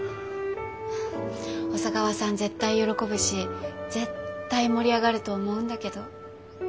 小佐川さん絶対喜ぶし絶対盛り上がると思うんだけど。